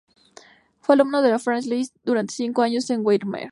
Fue alumno de Franz Liszt durante cinco años en Weimar.